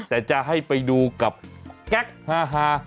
แต่จะให้ไปดูกับแก๊กฮา